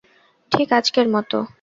ঠিক আজকের মতো?